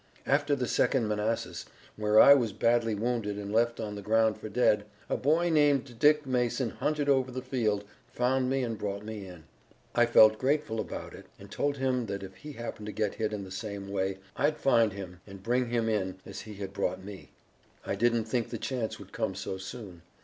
"After the Second Manassas, where I was badly wounded and left on the ground for dead, a boy named Dick Mason hunted over the field, found me and brought me in. I felt grateful about it and told him that if he happened to get hit in the same way I'd find him and bring him in as he had brought me. "I didn't think the chance would come so soon.